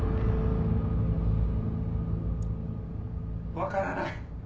わからない！